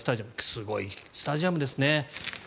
すごいスタジアムですね。